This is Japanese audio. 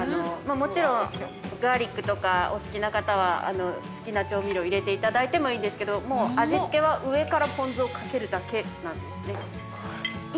もちろんガーリックとかお好きな方は好きな調味料入れていただいてもいいんですけど味付けは上からぽん酢を掛けるだけなんですね。